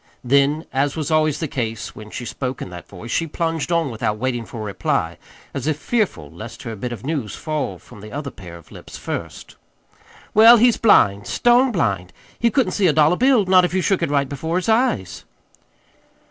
Then, as was always the case when she spoke in that voice, she plunged on without waiting for a reply, as if fearful lest her bit of news fall from the other pair of lips first. "Well, he's blind stone blind. He couldn't see a dollar bill not if you shook it right before his eyes."